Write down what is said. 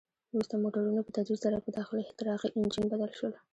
وروسته موټرونه په تدریج سره په داخلي احتراقي انجن بدل شول.